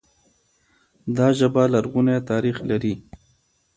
دا ژبه لرغونی تاريخ لري.